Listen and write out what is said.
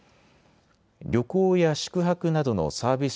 旅行や宿泊などのサービス